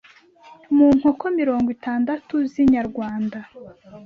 mu nkoko mirongo itandatu z’inyarwanda,